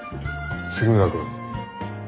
杉村君。